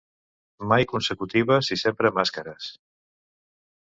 Mai consecutives i sempre màscares.